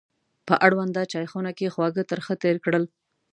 په اړونده چایخونه کې خواږه ترخه تېر کړل.